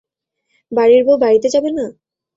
বাড়ির বউ বাড়িতে যাবে না–?